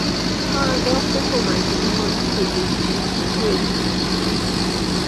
پرداخت کمک مالی به یک متحد